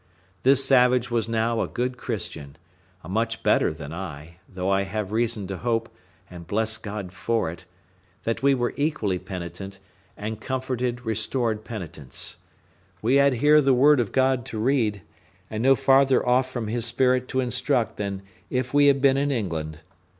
This savage was now a good Christian, a much better than I; though I have reason to hope, and bless God for it, that we were equally penitent, and comforted, restored penitents. We had here the Word of God to read, and no farther off from His Spirit to instruct than if we had been in England.